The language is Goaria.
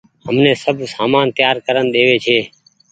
همني سب سامان تيآر ڪرين ۮيوي ڇي۔